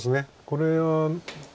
これは。